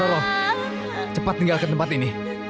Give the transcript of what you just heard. untuk ayahmu gesehen